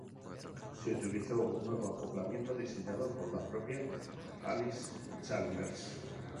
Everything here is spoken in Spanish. Se utilizó un nuevo acoplamiento, diseñado por la propia Allis-Chalmers.